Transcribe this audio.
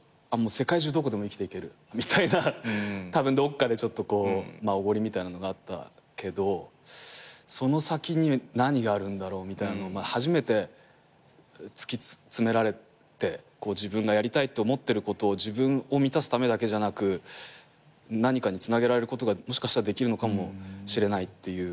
世界中どこでも生きていけるみたいなたぶんどっかでおごりみたいなのがあったけどその先に何があるんだろうみたいの初めて突き詰められて自分がやりたいって思ってることを自分を満たすためだけじゃなく何かにつなげられることがもしかしたらできるのかもしれないっていう。